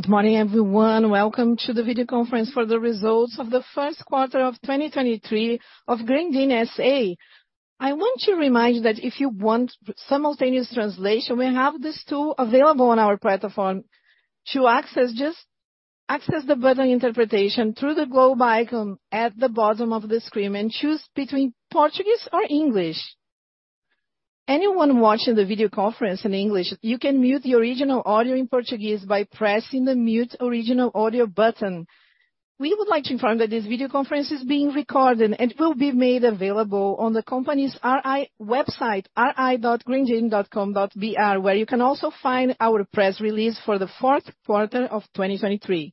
Good morning everyone. Welcome to the video conference for the results of the first quarter of 2023 of Grendene S.A. I want to remind you that if you want simultaneous translation, we have this tool available on our platform. To access, just access the button Interpretation through the globe icon at the bottom of the screen and choose between Portuguese or English. Anyone watching the video conference in English, you can mute the original audio in Portuguese by pressing the Mute Original Audio button. We would like to inform that this video conference is being recorded and will be made available on the company's RI website, ri.grendene.com.br, where you can also find our press release for the first quarter of 2023.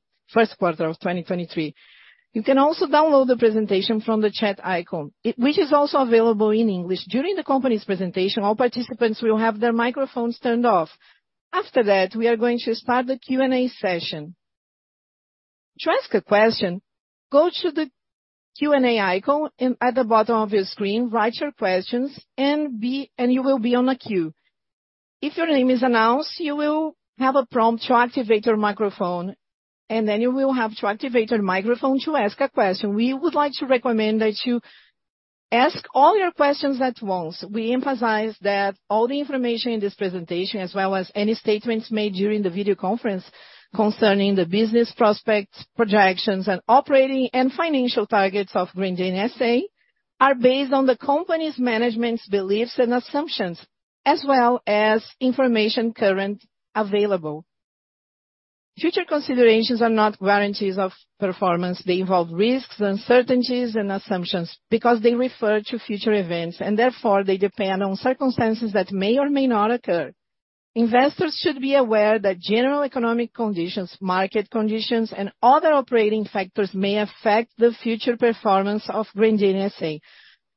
You can also download the presentation from the chat icon, which is also available in English. During the company's presentation, all participants will have their microphones turned off. After that, we are going to start the Q&A session. To ask a question, go to the Q&A icon at the bottom of your screen, write your questions and you will be on a queue. If your name is announced, you will have a prompt to activate your microphone, and then you will have to activate your microphone to ask a question. We would like to recommend that you ask all your questions at once. We emphasize that all the information in this presentation, as well as any statements made during the video conference concerning the business prospects, projections, and operating and financial targets of Grendene S.A. are based on the company's management's beliefs and assumptions, as well as information currently available. Future considerations are not guarantees of performance. They involve risks, uncertainties and assumptions because they refer to future events and therefore they depend on circumstances that may or may not occur. Investors should be aware that general economic conditions, market conditions, and other operating factors may affect the future performance of Grendene S.A.,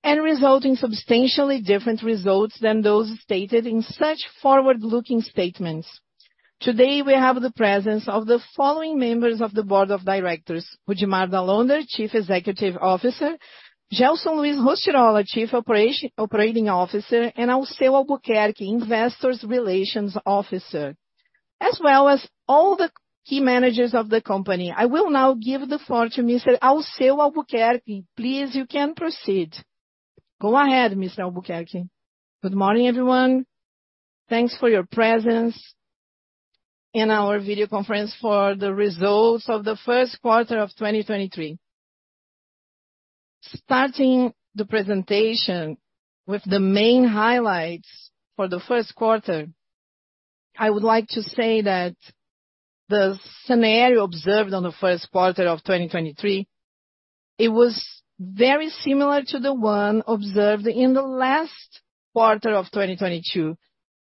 and result in substantially different results than those stated in such forward-looking statements. Today, we have the presence of the following members of the board of directors: Rudimar Dall'Onder, Chief Executive Officer, Gelson Luis Rostirolla, Chief Operating Officer, and Alceu Albuquerque, Investor Relations Officer, as well as all the key managers of the company. I will now give the floor to Mr. Alceu Albuquerque. Please, you can proceed. Go ahead, Mr. Albuquerque. Good morning, everyone. Thanks for your presence in our video conference for the results of the first quarter of 2023. Starting the presentation with the main highlights for the first quarter, I would like to say that the scenario observed on the first quarter of 2023, it was very similar to the one observed in the last quarter of 2022.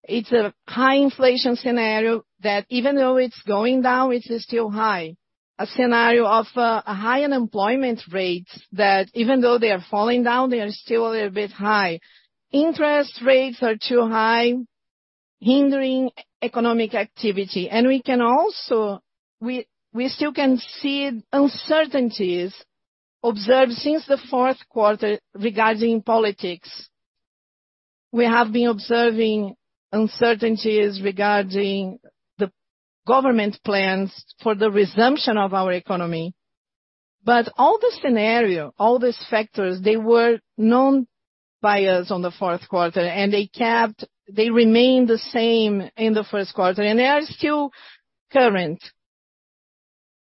It's a high inflation scenario that even though it's going down, it is still high. A scenario of high unemployment rates that even though they are falling down, they are still a little bit high. Interest rates are too high, hindering economic activity. We still can see uncertainties observed since the fourth quarter regarding politics. We have been observing uncertainties regarding the government plans for the resumption of our economy. All the scenario, all these factors, they were known by us on the fourth quarter and they remained the same in the first quarter, and they are still current.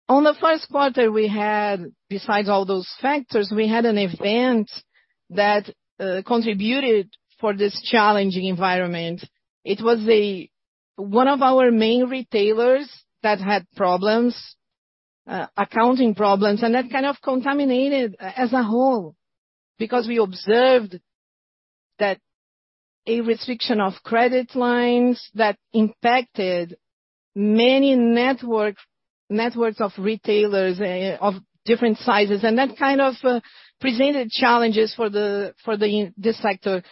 On the first quarter, we had, besides all those factors, we had an event that contributed for this challenging environment. It was one of our main retailers that had problems, accounting problems, and that kind of contaminated as a whole. We observed that a restriction of credit lines that impacted many networks of retailers, of different sizes, and that kind of presented challenges for the sector.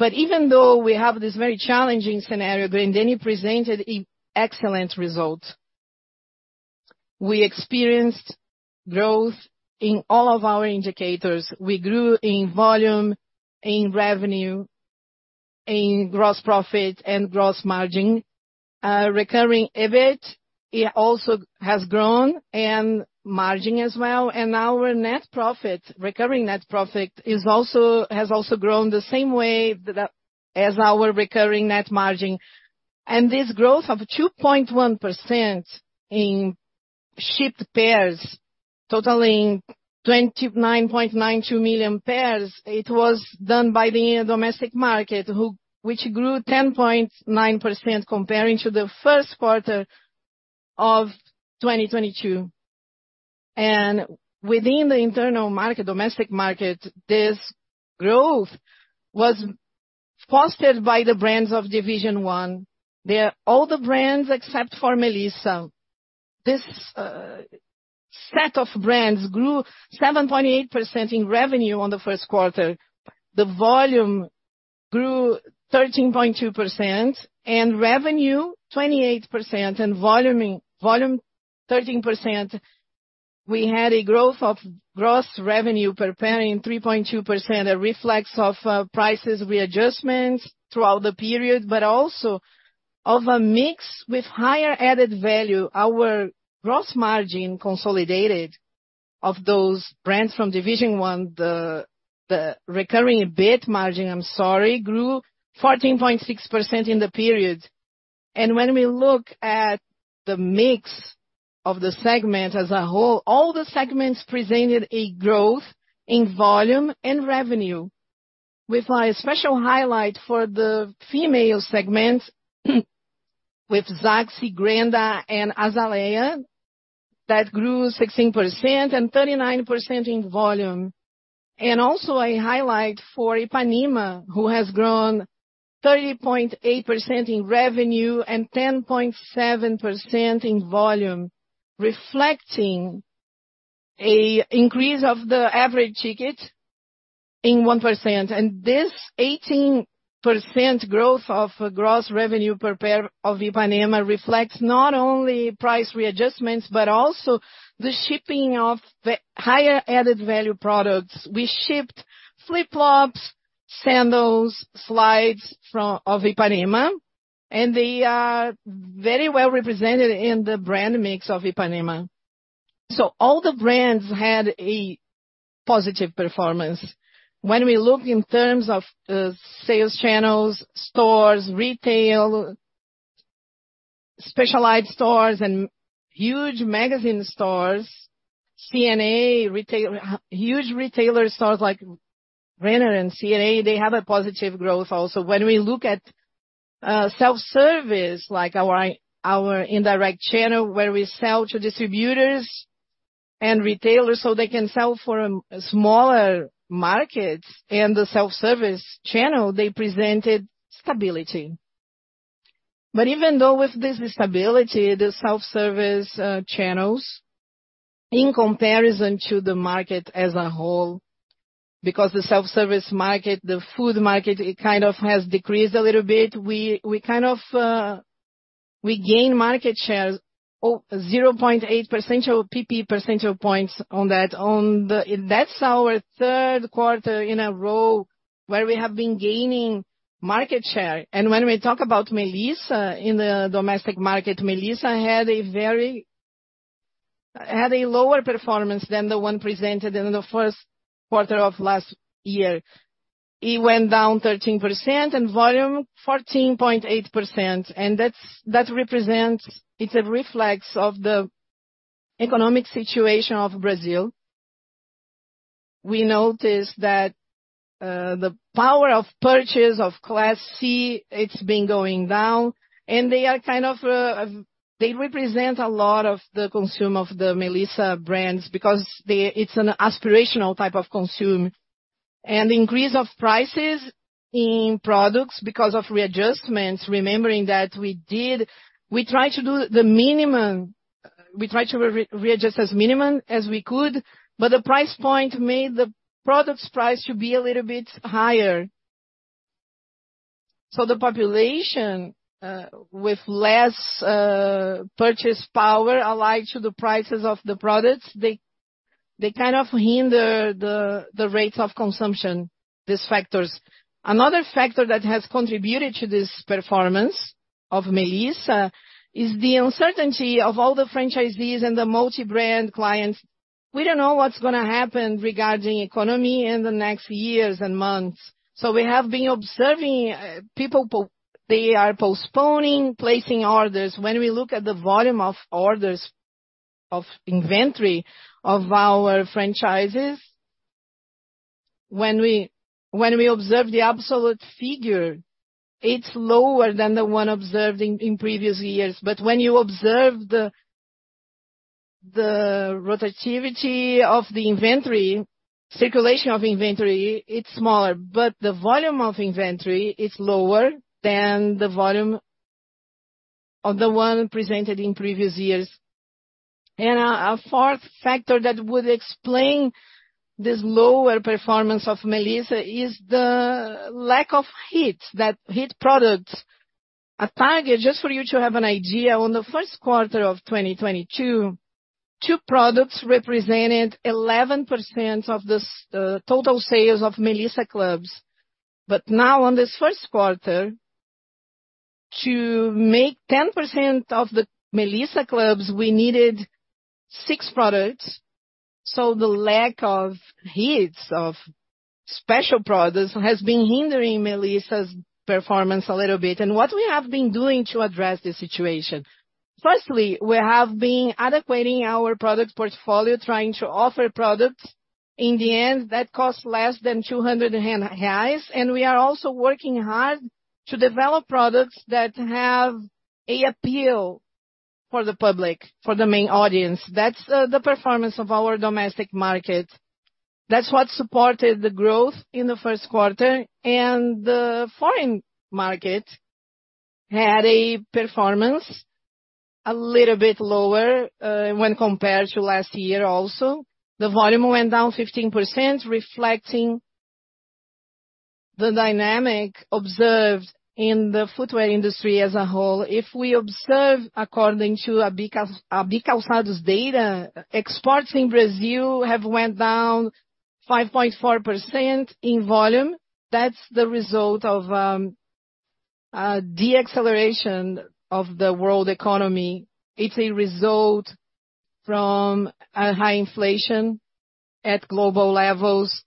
Even though we have this very challenging scenario, Grendene presented excellent results. We experienced growth in all of our indicators. We grew in volume, in revenue, in gross profit and gross margin. Recurring EBIT, it also has grown and margin as well. Our net profit, recurring net profit, has also grown the same way as our recurring net margin. This growth of 2.1% in shipped pairs totaling 29.92 million pairs, it was done by the domestic market, which grew 10.9% comparing to the first quarter of 2022. Within the internal market, domestic market, this growth was fostered by the brands of Division One. They're all the brands except for Melissa. This set of brands grew 7.8% in revenue on the first quarter. The volume grew 13.2% and revenue 28% and volume 13%. We had a growth of gross revenue per pair in 3.2%, a reflex of price readjustments throughout the period, but also of a mix with higher added value. Our gross margin consolidated of those brands from Division One, the recurring EBIT margin, I'm sorry, grew 14.6% in the period. When we look at the mix of the segment as a whole, all the segments presented a growth in volume and revenue, with a special highlight for the female segment with Zaxy, Grendha, and Azaleia that grew 16% and 39% in volume. Also a highlight for Ipanema, who has grown 30.8% in revenue and 10.7% in volume, reflecting an increase of the average ticket in 1%. This 18% growth of gross revenue per pair of Ipanema reflects not only price readjustments, but also the shipping of the higher added value products. We shipped flip-flops, sandals, slides of Ipanema, and they are very well represented in the brand mix of Ipanema. All the brands had a positive performance. When we look in terms of sales channels, stores, retail, specialized stores and huge magazine stores, C&A retail. Huge retailer stores like Renner and C&A, they have a positive growth also. When we look at self-service, like our indirect channel, where we sell to distributors and retailers, so they can sell for smaller markets. In the self-service channel, they presented stability. Even though with this stability, the self-service channels, in comparison to the market as a whole, because the self-service market, the food market, it kind of has decreased a little bit. We, we kind of, we gain market share 0.8% or PP, percentage points on that. That's our third quarter in a row where we have been gaining market share. When we talk about Melissa in the domestic market, Melissa had a lower performance than the one presented in the first quarter of last year. It went down 13% and volume 14.8%. That's, it's a reflex of the economic situation of Brazil. We noticed that the power of purchase of Class C, it's been going down, and they are kind of, they represent a lot of the consumer of the Melissa brands because it's an aspirational type of consume. Increase of prices in products because of readjustments, remembering that we try to do the minimum, we try to re-readjust as minimum as we could, but the price point made the product's price to be a little bit higher. The population with less purchase power, alike to the prices of the products, they kind of hinder the rate of consumption, these factors. Another factor that has contributed to this performance of Melissa is the uncertainty of all the franchisees and the multi-brand clients. We don't know what's gonna happen regarding economy in the next years and months. We have been observing people they are postponing placing orders. When we look at the volume of orders of inventory of our franchises, when we observe the absolute figure, it's lower than the one observed in previous years. When you observe the rotativity of the inventory, circulation of inventory, it's smaller, but the volume of inventory is lower than the volume of the one presented in previous years. A fourth factor that would explain this lower performance of Melissa is the lack of hits, that hit products. At Target, just for you to have an idea, on the first quarter of 2022, two products represented 11% of the total sales of Melissa clubs. Now on this first quarter, to make 10% of the Melissa clubs, we needed six products. The lack of hits of special products has been hindering Melissa's performance a little bit. What we have been doing to address this situation. Firstly, we have been adequately our product portfolio trying to offer products in the end that cost less than 200 reais. We are also working hard to develop products that have a appeal for the public, for the main audience. That's the performance of our domestic market. That's what supported the growth in the first quarter. The foreign market had a performance a little bit lower when compared to last year also. The volume went down 15%, reflecting the dynamic observed in the footwear industry as a whole, if we observe according to Abicalçados data, exports in Brazil have went down 5.4% in volume. That's the result of the acceleration of the world economy. It's a result from a high inflation at global levels.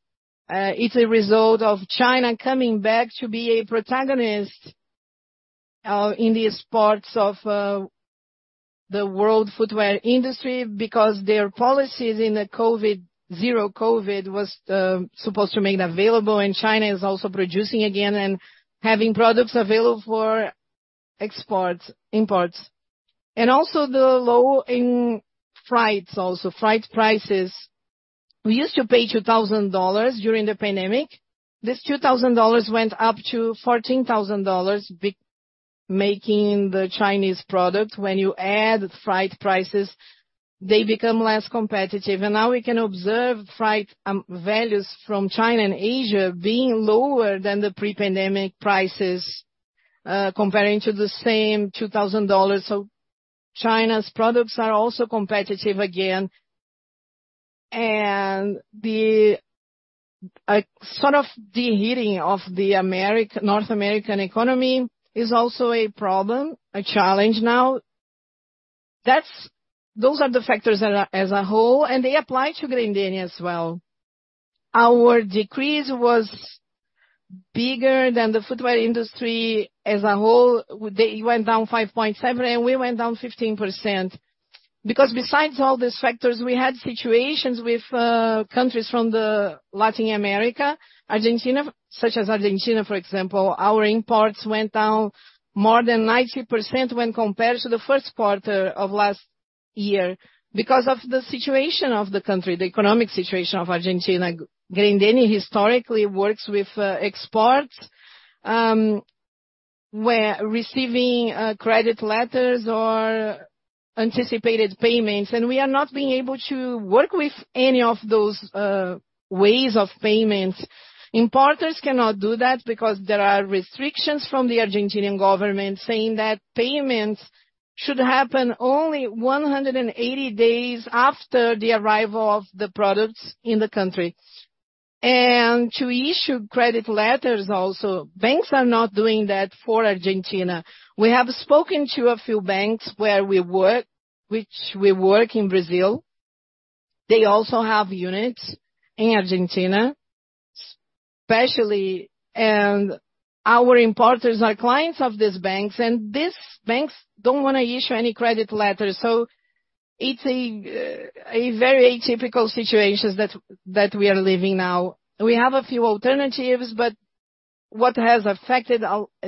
It's a result of China coming back to be a protagonist in the exports of the world footwear industry because their policies in the COVID, zero COVID, was supposed to make available, and China is also producing again and having products available for imports. Also the low in freights also. Freight prices, we used to pay $2,000 during the pandemic. This $2,000 went up to $14,000, making the Chinese product. When you add freight prices, they become less competitive. Now we can observe freight values from China and Asia being lower than the pre-pandemic prices, comparing to the same $2,000. China's products are also competitive again. A sort of the hitting of the North American economy is also a problem, a challenge now. Those are the factors as a whole, and they apply to Grendene as well. Our decrease was bigger than the footwear industry as a whole. They went down 5.7% and we went down 15%. Because besides all these factors, we had situations with countries from Latin America. such as Argentina, for example, our imports went down more than 90% when compared to the first quarter of last year because of the situation of the country, the economic situation of Argentina. Grendene historically works with exports, where receiving credit letters or anticipated payments, and we are not being able to work with any of those ways of payments. Importers cannot do that because there are restrictions from the Argentinian government saying that payments should happen only 180 days after the arrival of the products in the country. To issue credit letters also, banks are not doing that for Argentina. We have spoken to a few banks where we work, which we work in Brazil. They also have units in Argentina, especially, and our importers are clients of these banks, and these banks don't wanna issue any credit letters. It's a very atypical situations that we are living now. We have a few alternatives, but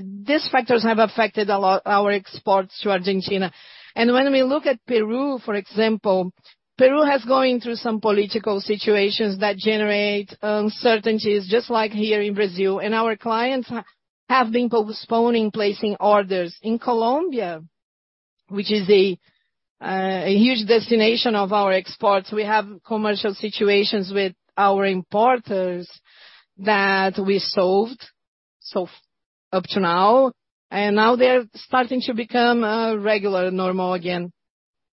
These factors have affected a lot our exports to Argentina. When we look at Peru, for example, Peru has going through some political situations that generate uncertainties, just like here in Brazil. Our clients have been postponing placing orders. In Colombia, which is a huge destination of our exports, we have commercial situations with our importers that we solved so up to now, and now they're starting to become regular, normal again.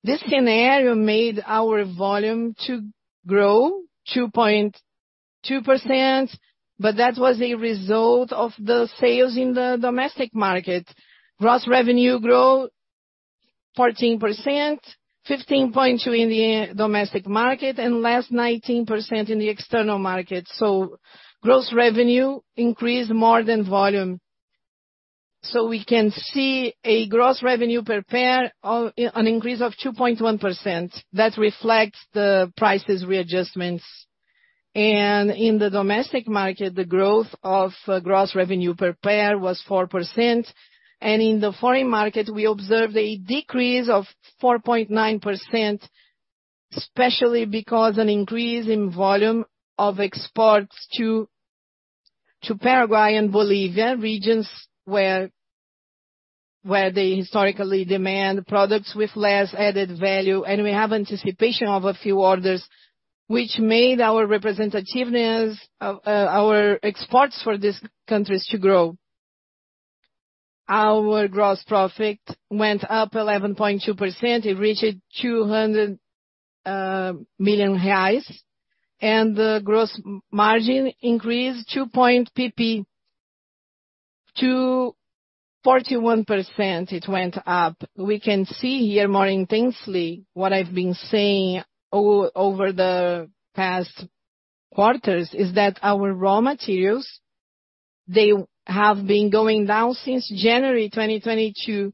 This scenario made our volume to grow 2.2%, but that was a result of the sales in the domestic market. Gross revenue grow 14%, 15.2% in the domestic market, and last 19% in the external market. Gross revenue increased more than volume. We can see a gross revenue per pair an increase of 2.1%. That reflects the prices readjustments. In the domestic market, the growth of gross revenue per pair was 4%. In the foreign market, we observed a decrease of 4.9%, especially because an increase in volume of exports to Paraguay and Bolivia, regions where they historically demand products with less added value. We have anticipation of a few orders, which made our representativeness of our exports for these countries to grow. Our gross profit went up 11.2%. It reached 200 million reais. The gross margin increased two point PP to 41%, it went up. We can see here more intensely what I've been saying over the past quarters, is that our raw materials, they have been going down since January 2022.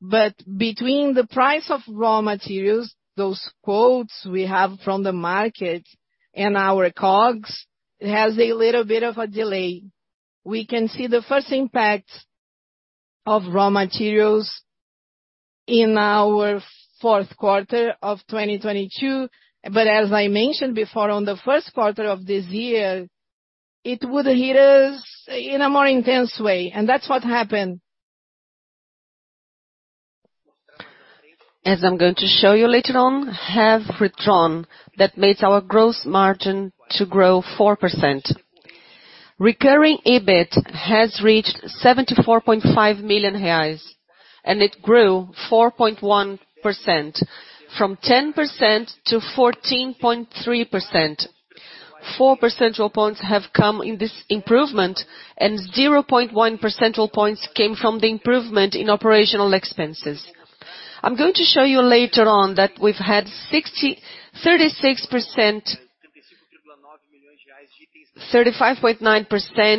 Between the price of raw materials, those quotes we have from the market and our COGS, it has a little bit of a delay. We can see the first impact of raw materials in our fourth quarter of 2022. As I mentioned before, on the first quarter of this year, it would hit us in a more intense way, and that's what happened. As I'm going to show you later on, have withdrawn. That makes our gross margin to grow 4%. Recurring EBIT has reached 74.5 million reais, it grew 4.1% from 10%-14.3%. Four percentile points have come in this improvement, 0.1 percentile points came from the improvement in operational expenses. I'm going to show you later on that we've had 35.9%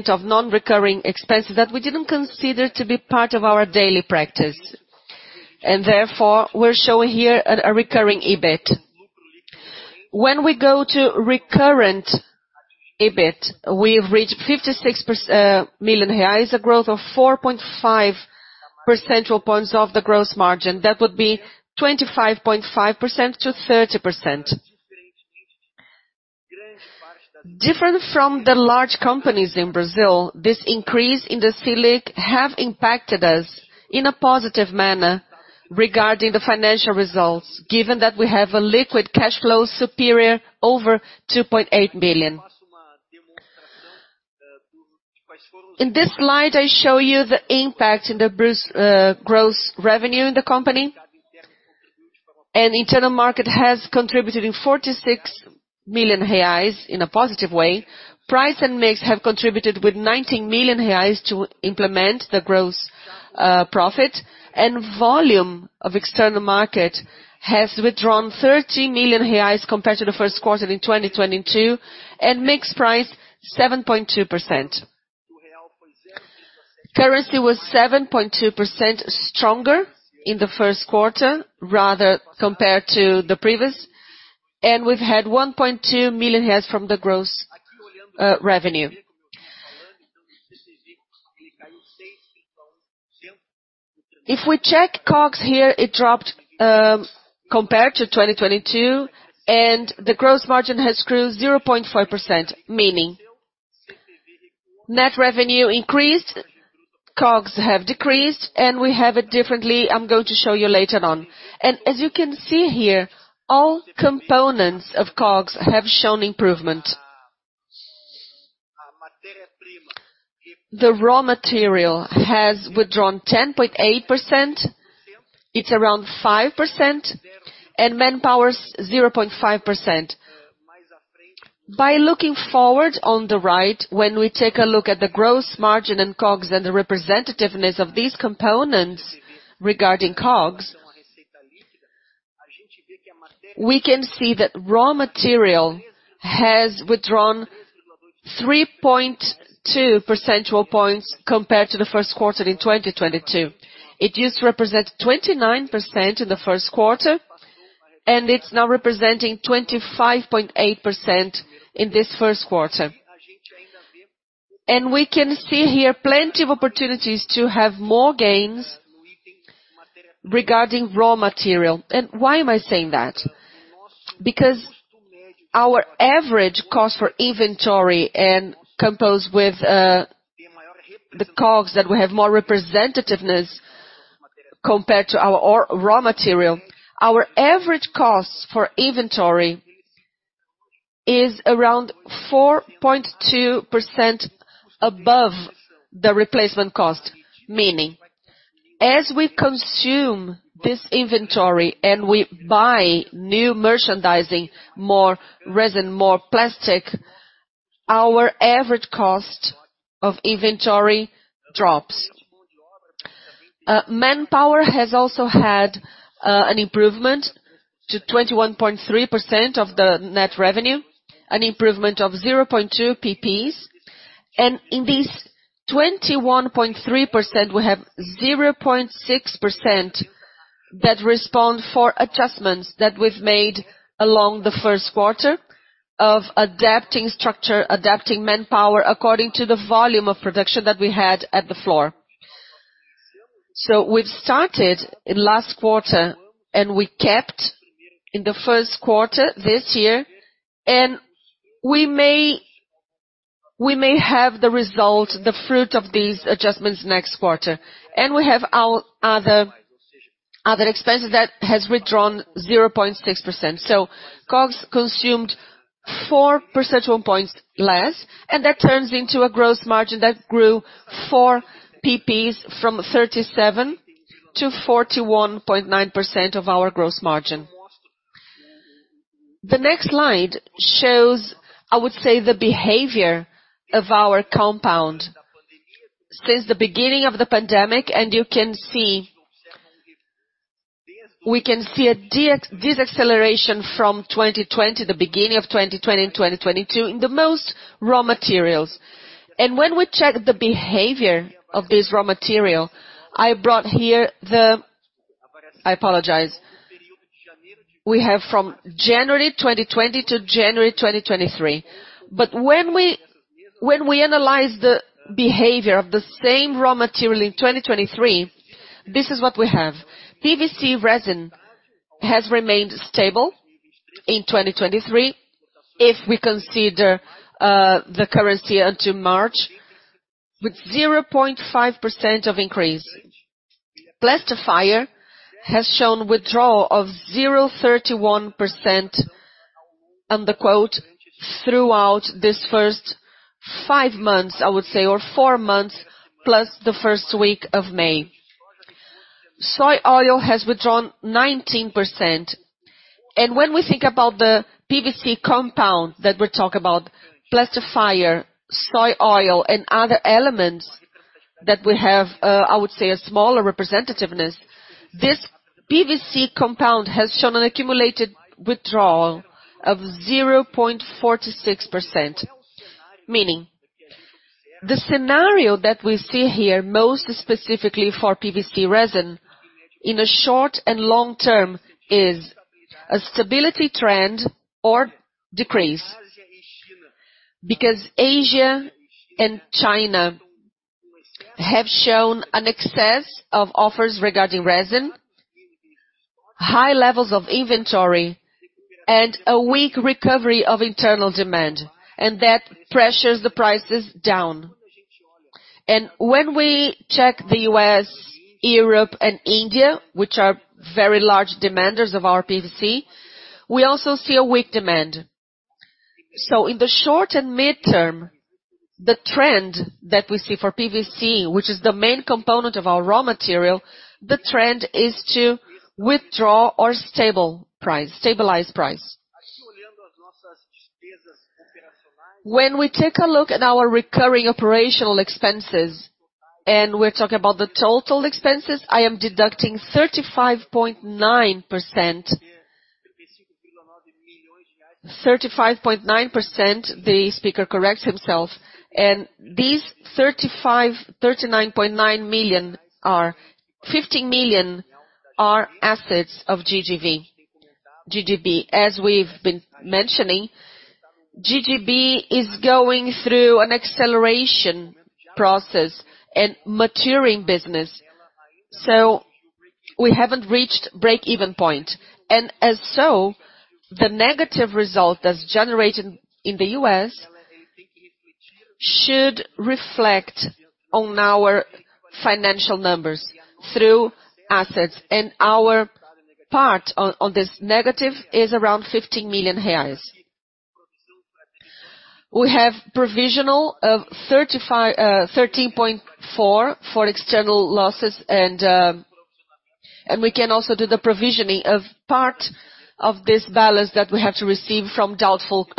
of non-recurring expenses that we didn't consider to be part of our daily practice. Therefore, we're showing here a recurring EBIT. When we go to recurrent EBIT, we've reached R$56 million, a growth of 4.5 percentile points of the gross margin. That would be 25.5%-30%. Different from the large companies in Brazil, this increase in the Selic have impacted us in a positive manner regarding the financial results, given that we have a liquid cash flow superior over 2.8 billion. In this slide, I show you the impact in the gross revenue in the company. Internal market has contributed in 46 million reais in a positive way. Price and mix have contributed with 19 million reais to implement the gross profit. Volume of external market has withdrawn 30 million reais compared to the first quarter in 2022, and mix price 7.2%. Currency was 7.2% stronger in the first quarter rather compared to the previous. We've had 1.2 million reais from the gross revenue. If we check COGS here, it dropped compared to 2022, the gross margin has grew 0.5%. Meaning, net revenue increased, COGS have decreased, we have it differently. I'm going to show you later on. As you can see here, all components of COGS have shown improvement. The raw material has withdrawn 10.8%. It's around 5%, manpower is 0.5%. By looking forward on the right, when we take a look at the gross margin and COGS and the representativeness of these components regarding COGS, we can see that raw material has withdrawn 3.2 percentile points compared to the first quarter in 2022. It used to represent 29% in the first quarter, it's now representing 25.8% in this first quarter. We can see here plenty of opportunities to have more gains regarding raw material. Why am I saying that? Because our average cost for inventory and composed with the COGS that we have more representativeness compared to our raw material, our average cost for inventory is around 4.2% above the replacement cost. Meaning, as we consume this inventory and we buy new merchandising, more resin, more plastic, our average cost of inventory drops. Manpower has also had an improvement to 21.3% of the net revenue, an improvement of 0.2 PPs. In this 21.3%, we have 0.6% that respond for adjustments that we've made along the first quarter of adapting structure, adapting manpower according to the volume of production that we had at the floor. We've started in last quarter and we kept in the first quarter this year, and we may have the result, the fruit of these adjustments next quarter. We have our other expenses that has withdrawn 0.6%. COGS consumed four percentile points less, and that turns into a gross margin that grew four percentage points from 37% to 41.9% of our gross margin. The next slide shows, I would say, the behavior of our compound since the beginning of the pandemic. We can see a deceleration from 2020, the beginning of 2020 and 2022 in the most raw materials. When we check the behavior of this raw material, we have from January 2020 to January 2023. When we analyze the behavior of the same raw material in 2023, this is what we have. PVC resin has remained stable in 2023 if we consider the currency until March. With 0.5% of increase. Plasticizer has shown withdrawal of 0.31%, and the quote, throughout this first five months, I would say, or four months, plus the first week of May. Soy oil has withdrawn 19%. When we think about the PVC compound that we talk about, plasticizer, soy oil, and other elements that we have, I would say a smaller representativeness. This PVC compound has shown an accumulated withdrawal of 0.46%. Meaning, the scenario that we see here, most specifically for PVC resin, in a short and long term, is a stability trend or decrease. Asia and China have shown an excess of offers regarding resin, high levels of inventory, and a weak recovery of internal demand, that pressures the prices down. When we check the U.S., Europe, and India, which are very large demanders of our PVC, we also see a weak demand. In the short and mid-term, the trend that we see for PVC, which is the main component of our raw material, the trend is to withdraw or stabilize price. When we take a look at our recurring operational expenses, we're talking about the total expenses, I am deducting 35.9%. These 39.9 million are 15 million are assets of GGB. GGB. As we've been mentioning, GGB is going through an acceleration process and maturing business. We haven't reached break-even point, the negative result that's generated in the U.S. should reflect on our financial numbers through assets. Our part on this negative is around 15 million reais. We have provisional of 13.4 for external losses and we can also do the provisioning of part of this balance that we have to receive from doubtful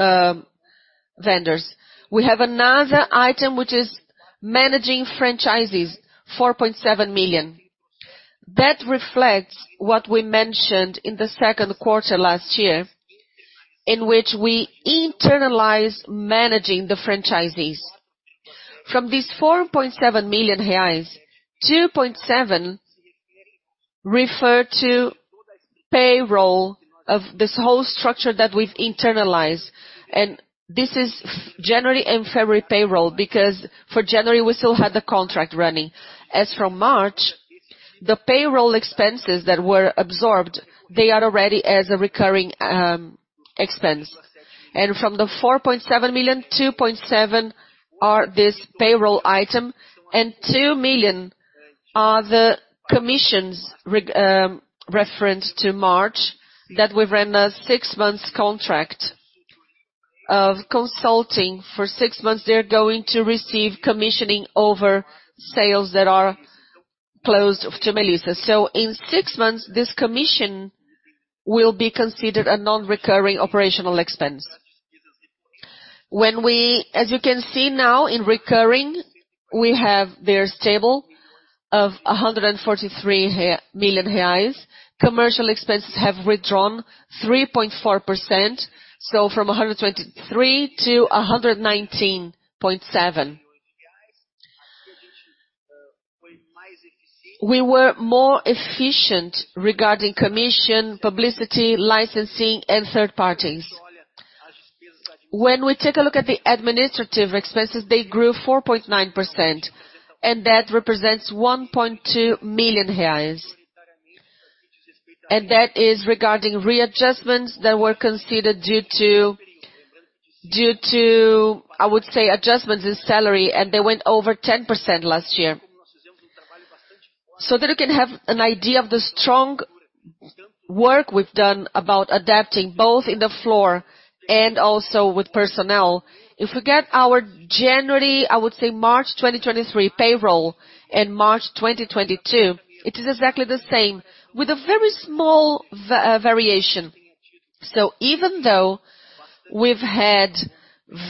vendors. We have another item which is managing franchises, 4.7 million. That reflects what we mentioned in the second quarter last year, in which we internalize managing the franchisees. From these 4.7 million reais, 2.7 refer to payroll of this whole structure that we've internalized. This is January and February payroll, because for January, we still had the contract running. As from March, the payroll expenses that were absorbed, they are already as a recurring expense. From the 4.7 million, 2.7 million are this payroll item, and 2 million are the commissions referenced to March that we've ran a six month contract of consulting. For six months, they're going to receive commissioning over sales that are closed to Melissa. In six months, this commission will be considered a non-recurring operational expense. As you can see now in recurring, they're stable of 143 million reais. Commercial expenses have withdrawn 3.4%, from 123 million to 119.7 million. We were more efficient regarding commission, publicity, licensing, and third parties. When we take a look at the administrative expenses, they grew 4.9%, and that represents 1.2 million reais. That is regarding readjustments that were considered due to, I would say, adjustments in salary, and they went over 10% last year. That you can have an idea of the strong work we've done about adapting both in the floor and also with personnel. If we get our January, I would say March 2023 payroll and March 2022, it is exactly the same with a very small variation. Even though we've had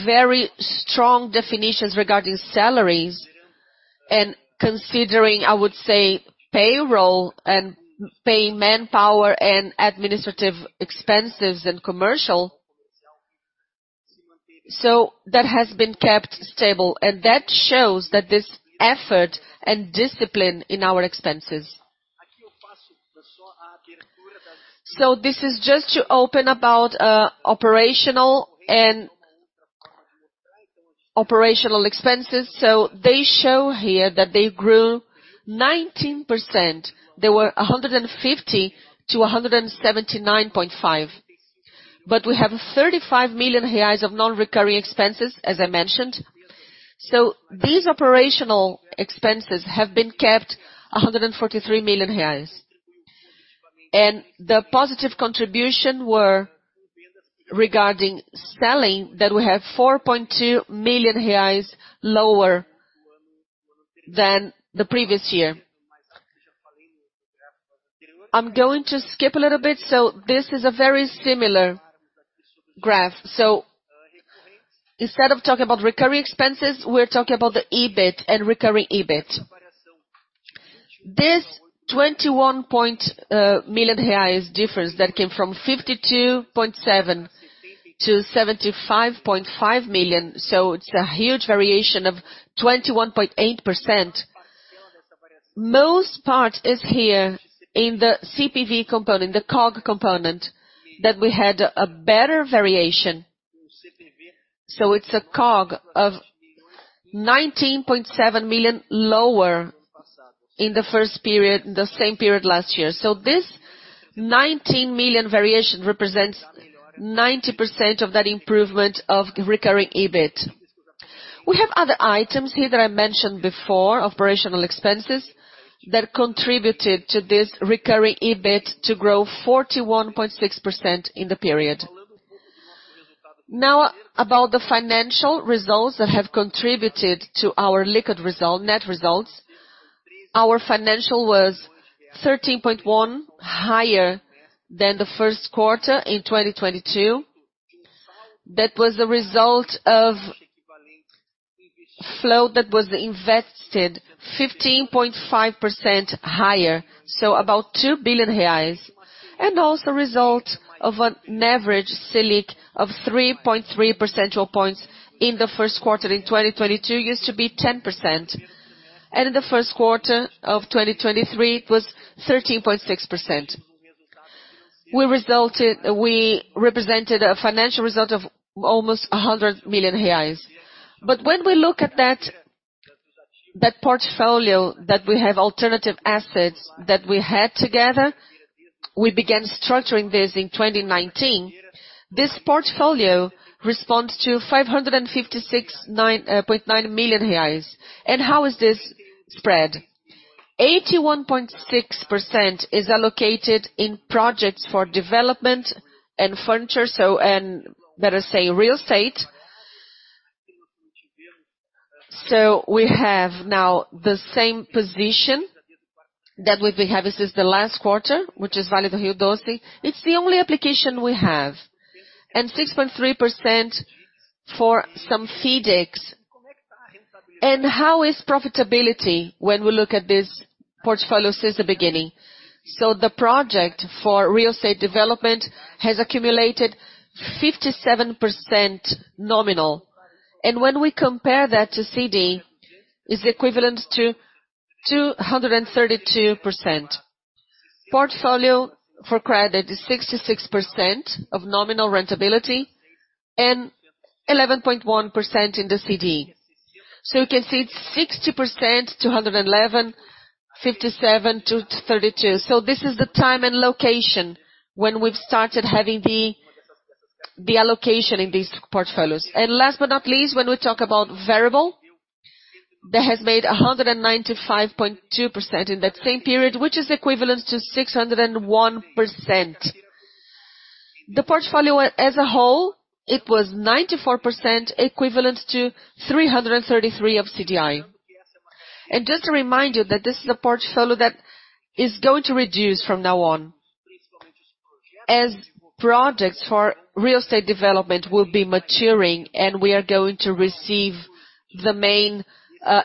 very strong definitions regarding salaries, and considering, I would say, payroll and paying manpower and administrative expenses and commercial. That has been kept stable, and that shows that there's effort and discipline in our expenses. This is just to open about operational and operational expenses. They show here that they grew 19%. They were 150 million-179.5 million. We have 35 million reais of non-recurring expenses, as I mentioned. These operational expenses have been kept 143 million reais. The positive contribution were regarding selling that we have 4.2 million reais lower than the previous year. I'm going to skip a little bit. This is a very similar graph. Instead of talking about recurring expenses, we're talking about the EBIT and recurring EBIT. This 21 million reais difference that came from 52.7 million to 75.5 million. It's a huge variation of 21.8%. Most part is here in the CPV component, the COGS component that we had a better variation. It's a COGS of 19.7 million lower in the same period last year. This 19 million variation represents 90% of that improvement of recurring EBIT. We have other items here that I mentioned before, operational expenses, that contributed to this recurring EBIT to grow 41.6% in the period. Now about the financial results that have contributed to our net results. Our financial was 13.1% higher than the first quarter in 2022. That was a result of flow that was invested 15.5% higher, so about 2 billion reais. Also result of an average Selic of 3.3 percentile points in the first quarter in 2022, it used to be 10%. In the first quarter of 2023, it was 13.6%. We represented a financial result of almost 100 million reais. When we look at that portfolio that we have alternative assets that we had together, we began structuring this in 2019. This portfolio responds to 556.9 million reais. How is this spread? 81.6% is allocated in projects for development and real estate. We have now the same position that we've been having since the last quarter, which is Vale do Rio Doce. It's the only application we have. 6.3% for some CDBs. How is profitability when we look at this portfolio since the beginning? The project for real estate development has accumulated 57% nominal. When we compare that to CDI, it's equivalent to 232%. Portfolio for credit is 66% of nominal rentability and 11.1% in the CDI. You can see it's 60%-111%, 57%-32%. This is the time and location when we've started having the allocation in these portfolios. Last but not least, when we talk about variable, that has made 195.2% in that same period, which is equivalent to 601%. The portfolio as a whole, it was 94% equivalent to 333% of CDI. Just to remind you that this is a portfolio that is going to reduce from now on. As projects for real estate development will be maturing, and we are going to receive the main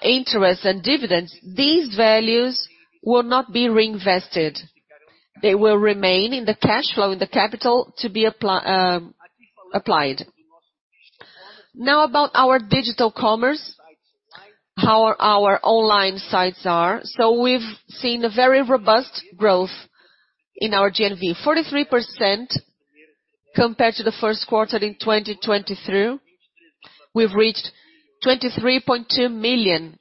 interest and dividends, these values will not be reinvested. They will remain in the cash flow, in the capital to be applied. Now about our digital commerce, how our online sites are. We've seen a very robust growth in our GMV. 43% compared to the first quarter in 2022. We've reached 23.2 million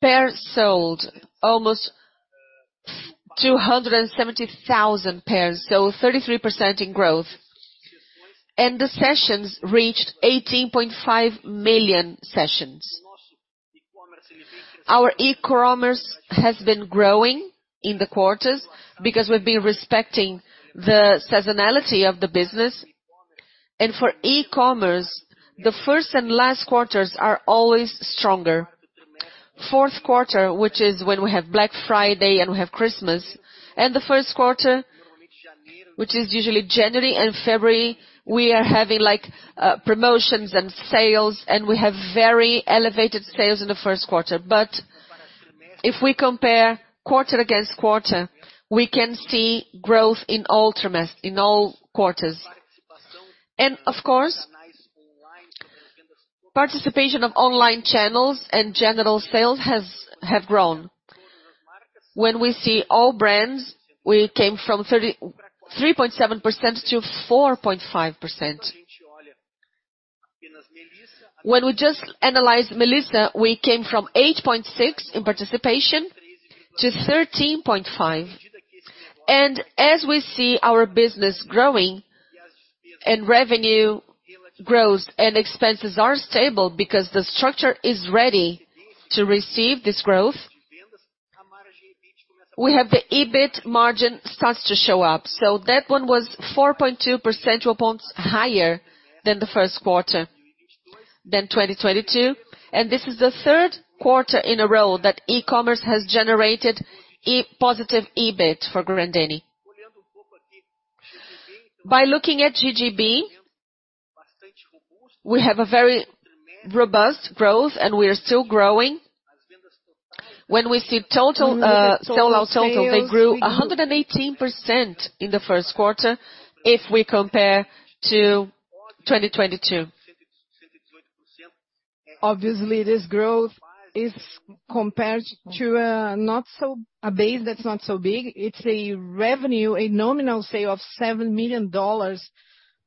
pairs sold, almost 270,000 pairs. 33% in growth. The sessions reached 18.5 million sessions. Our e-commerce has been growing in the quarters because we've been respecting the seasonality of the business. For e-commerce, the first and last quarters are always stronger. Fourth quarter, which is when we have Black Friday and we have Christmas, the first quarter, which is usually January and February, we are having, like, promotions and sales, and we have very elevated sales in the first quarter. If we compare quarter against quarter, we can see growth in all quarters. Of course, participation of online channels and general sales have grown. When we see all brands, we came from 3.7%-4.5%. When we just analyzed Melissa, we came from 8.6% in participation to 13.5% As we see our business growing and revenue grows and expenses are stable because the structure is ready to receive this growth, we have the EBIT margin starts to show up. That one was 4.2 percentile points higher than the first quarter than 2022, and this is the third quarter in a row that e-commerce has generated a positive EBIT for Grendene. By looking at GGB, we have a very robust growth, and we are still growing. When we see total sales, they grew 118% in the first quarter if we compare to 2022. Obviously, this growth is compared to a base that's not so big. It's a revenue, a nominal sale of $7 million,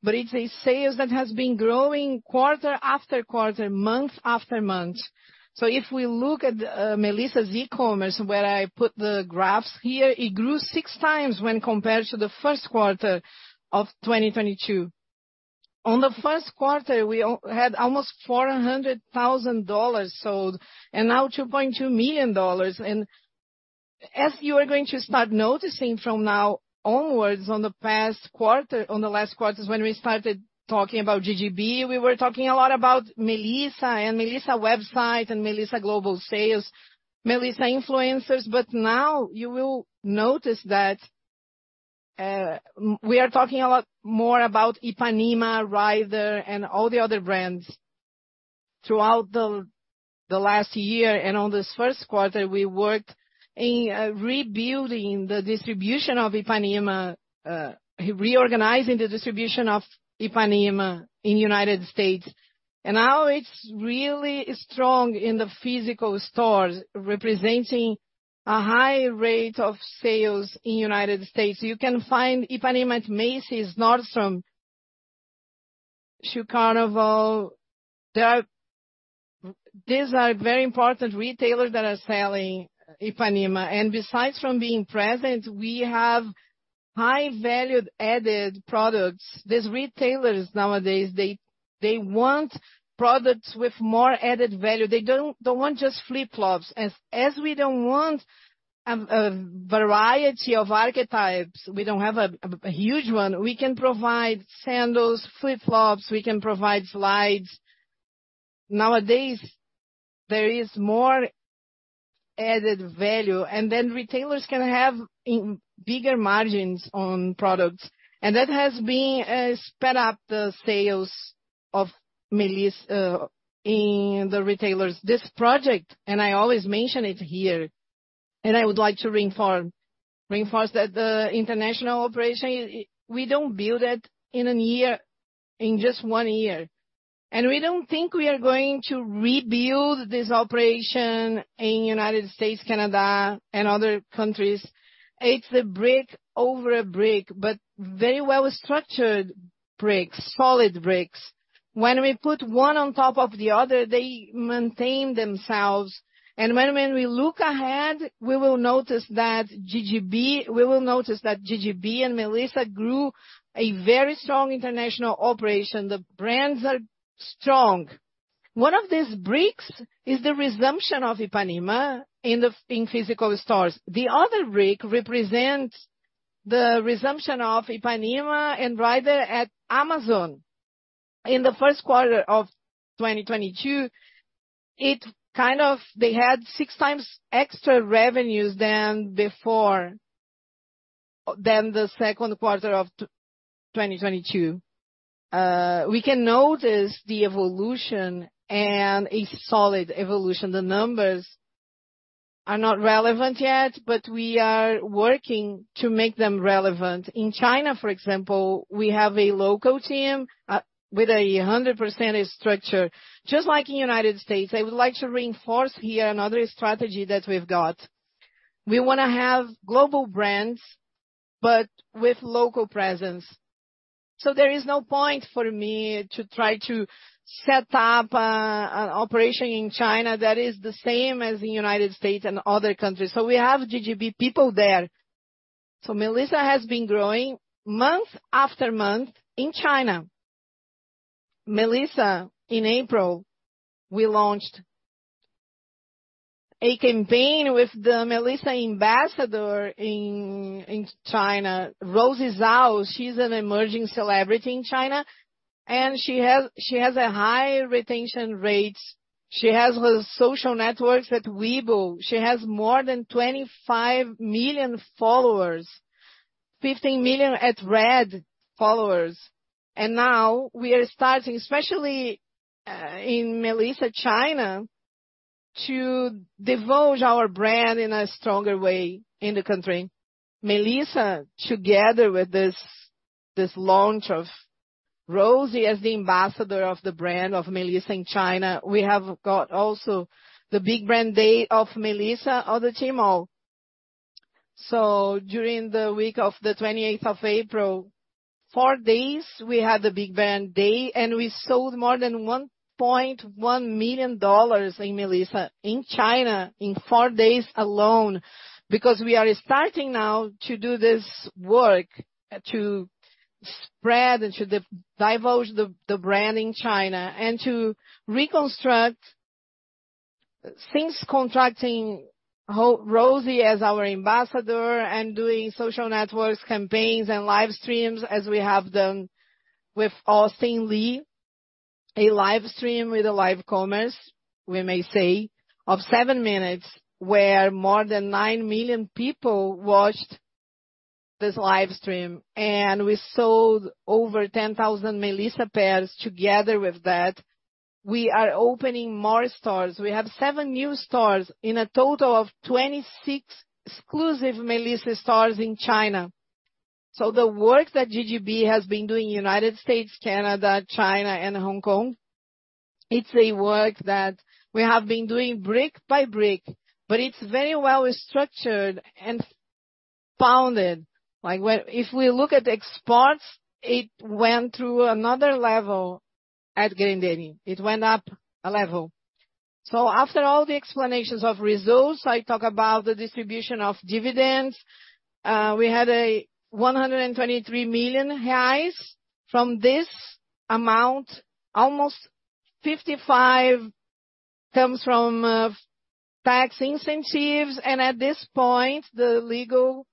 but it's a sales that has been growing quarter after quarter, month after month. If we look at Melissa's e-commerce, where I put the graphs here, it grew 6x when compared to the first quarter of 2022. On the first quarter, we had almost $400,000 sold, and now $2.2 million. As you are going to start noticing from now onwards, on the last quarters, when we started talking about GGB, we were talking a lot about Melissa and Melissa website and Melissa global sales, Melissa influencers. Now you will notice that we are talking a lot more about Ipanema, Rider, and all the other brands. Throughout the last year and on this first quarter, we worked in rebuilding the distribution of Ipanema, reorganizing the distribution of Ipanema in United States. Now it's really strong in the physical stores, representing a high rate of sales in United States. You can find Ipanema at Macy's, Nordstrom, Shoe Carnival. These are very important retailers that are selling Ipanema. Besides from being present, we have high valued added products. These retailers nowadays, they want products with more added value. They don't want just flip-flops. As we don't want a variety of archetypes, we don't have a huge one. We can provide sandals, flip-flops, we can provide slides. Nowadays, there is more added value, then retailers can have even bigger margins on products. That has been sped up the sales of Melissa in the retailers. This project, I always mention it here, I would like to reinforce that the international operation, we don't build it in just one year. We don't think we are going to rebuild this operation in United States, Canada, and other countries. It's a brick over a brick, but very well-structured bricks, solid bricks. When we put one on top of the other, they maintain themselves. When we look ahead, we will notice that GGB and Melissa grew a very strong international operation. The brands are strong. One of these bricks is the resumption of Ipanema in physical stores. The other brick represents the resumption of Ipanema and Rider at Amazon. In the first quarter of 2022, They had 6x extra revenues than the second quarter of 2022. We can notice the evolution, and a solid evolution. The numbers are not relevant yet, but we are working to make them relevant. In China, for example, we have a local team, with a 100% structure, just like in United States. I would like to reinforce here another strategy that we've got. We wanna have global brands, but with local presence. There is no point for me to try to set up an operation in China that is the same as the United States and other countries. We have GGB people there. Melissa has been growing month after month in China. Melissa, in April, we launched a campaign with the Melissa ambassador in China, Zhao Lusi. She's an emerging celebrity in China, and she has, she has a high retention rate. She has her social networks at Weibo. She has more than 25 million followers, 15 million at Red followers. Now we are starting, especially, in Melissa China, to divulge our brand in a stronger way in the country. Melissa, together with this launch of Rosie as the ambassador of the brand of Melissa in China, we have got also the Super Brand Day of Melissa on the Tmall. During the week of the 28th of April, four days we had the big band day, and we sold more than $1.1 million in Melissa in China in four days alone. We are starting now to do this work to spread into divulge the brand in China and to reconstruct since contracting Rosie Zhao as our ambassador and doing social networks campaigns and live streams as we have done with Li Jiaqi. A live stream with a live commerce, we may say, of seven minutes, where more than 9 million people watched this live stream, and we sold over 10,000 Melissa pairs together with that. We are opening more stores. We have seven new stores in a total of 26 exclusive Melissa stores in China. The work that GGB has been doing United States, Canada, China and Hong Kong, it's a work that we have been doing brick by brick, but it's very well structured and founded. Like if we look at exports, it went through another level at Grendene. It went up a level. After all the explanations of results, I talk about the distribution of dividends. We had 123 million reais from this amount. Almost 55 million comes from tax incentives. At this point, the legal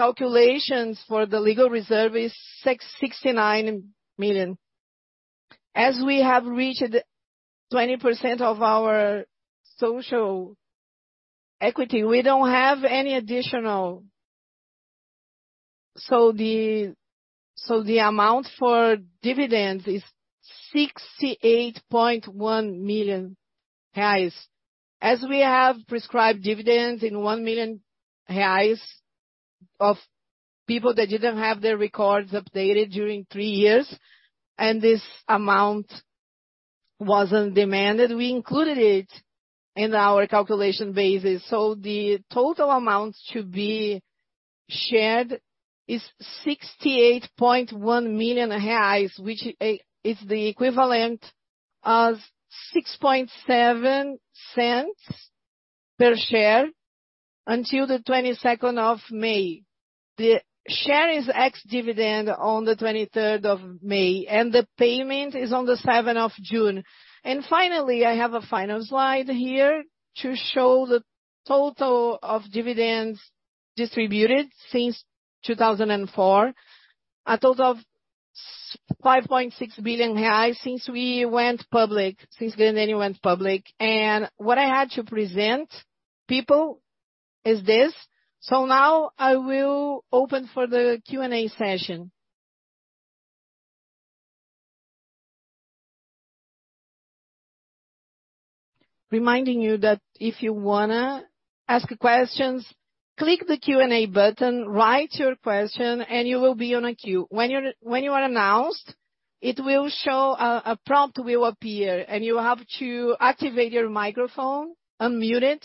calculations for the legal reserve is 69 million. As we have reached 20% of our social equity, we don't have any additional. The amount for dividends is 68.1 million reais. As we have prescribed dividends in 1 million reais of people that didn't have their records updated during three years, and this amount wasn't demanded. We included it in our calculation basis. The total amount to be shared is 68.1 million reais, which is the equivalent of 0.067 per share until the 22nd of May. The share is ex-dividend on the 23rd of May, and the payment is on the 7th of June. Finally, I have a final slide here to show the total of dividends distributed since 2004. A total of 5.6 billion reais since we went public, since Grendene went public. What I had to present, people, is this. Now I will open for the Q&A session. Reminding you that if you wanna ask questions, click the Q&A button, write your question, and you will be on a queue. When you are announced, it will show a prompt will appear, and you have to activate your microphone, unmute it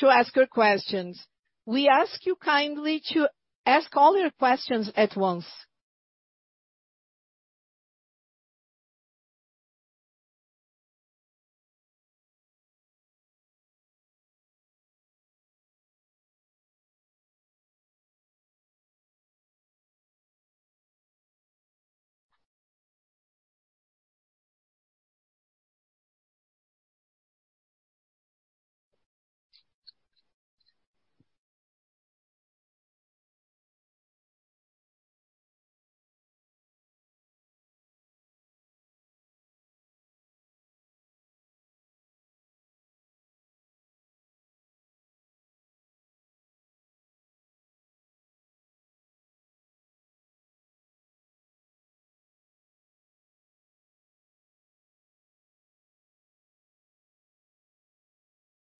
to ask your questions. We ask you kindly to ask all your questions at once.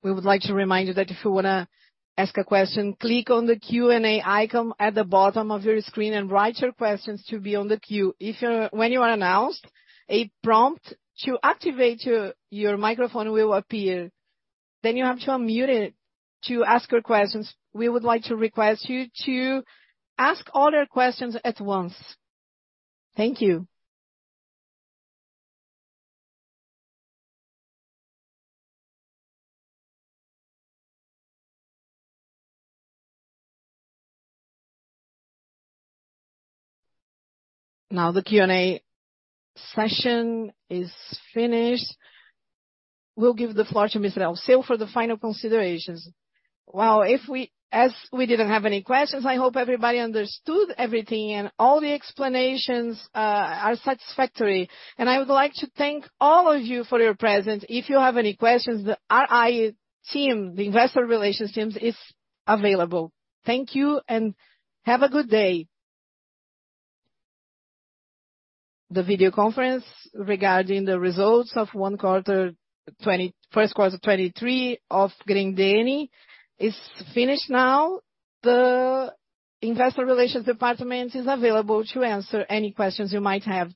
We would like to remind you that if you want to ask a question, click on the Q&A icon at the bottom of your screen and write your questions to be on the queue. When you are announced, a prompt to activate your microphone will appear. You have to unmute it to ask your questions. We would like to request you to ask all your questions at once. Thank you. The Q&A session is finished. We'll give the floor to Mr. Alceu for the final considerations. Well, as we didn't have any questions, I hope everybody understood everything and all the explanations are satisfactory. I would like to thank all of you for your presence. If you have any questions, the RI team, the investor relations teams, is available. Thank you, and have a good day. The video conference regarding the results of first quarter 23 of Grendene is finished now. The investor relations department is available to answer any questions you might have.